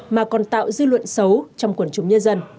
mà còn tạo dư luận xấu trong quận xã